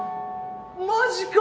マジか！